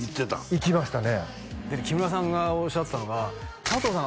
行きましたね木村さんがおっしゃってたのが佐藤さん